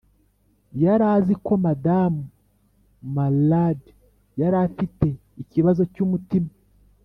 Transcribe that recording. yari azi ko madamu mallard yari afite ikibazo cy'umutima